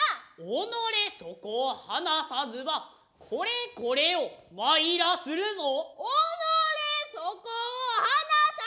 己そこを放さずばこれこれを参らするぞ。